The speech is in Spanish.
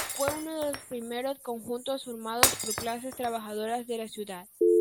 Fue uno de los primeros conjuntos formados por clases trabajadoras de la ciudad.